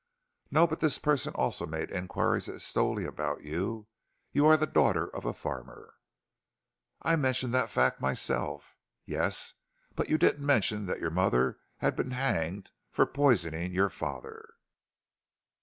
"No. But this person also made inquiries at Stowley about you. You are the daughter of a farmer." "I mentioned that fact myself." "Yes. But you didn't mention that your mother had been hanged for poisoning your father."